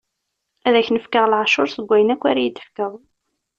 Ad k-n-fkeɣ leɛcuṛ seg wayen akk ara yi-d-tefkeḍ.